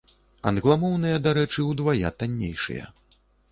Англамоўныя, дарэчы, удвая таннейшыя.